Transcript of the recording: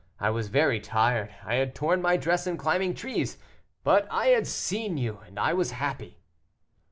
I was very tired, I had torn my dress in climbing trees, but I had seen you, and I was happy."